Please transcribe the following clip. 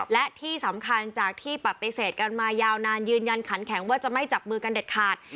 และที่สำคัญจากที่ปฏิเสธกันมายาวนานยืนยันขันแข็งว่าจะไม่จับมือกันเด็ดขาด